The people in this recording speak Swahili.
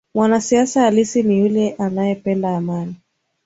Mwanasiasa halisi ni yule anayependa amani